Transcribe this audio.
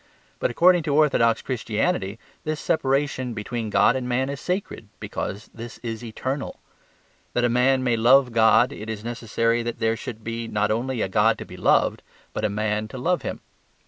But according to orthodox Christianity this separation between God and man is sacred, because this is eternal. That a man may love God it is necessary that there should be not only a God to be loved, but a man to love him.